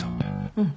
うん。